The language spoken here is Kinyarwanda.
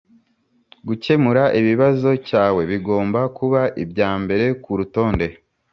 gukemura ikibazo cyawe bigomba kuba ibya mbere kurutonde.